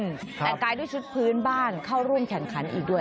ใช่จากทำวางแกด้วยชุดพื้นบ้านเข้าร่วมแข่งคันอีกด้วย